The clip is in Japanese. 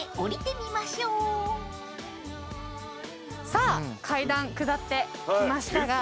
さあ階段下ってきましたが。